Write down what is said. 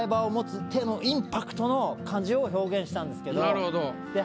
インパクトの感じを表現したんですけどで